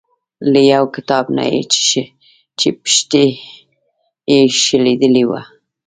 له یو کتاب نه یې چې پښتۍ یې شلیدلې وه.